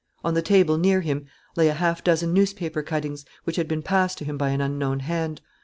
On the table near him lay a half dozen newspaper cuttings, which had been passed to him by an unknown hand.